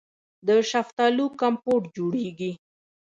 د شفتالو کمپوټ جوړیږي.